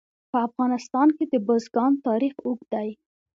په افغانستان کې د بزګان تاریخ اوږد دی.